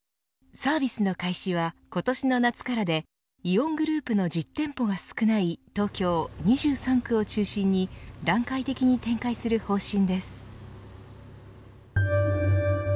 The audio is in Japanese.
サービスの開始は今年の夏からでイオングループの実店舗が少ない東京２３区を中心に段階的に展開する方針です。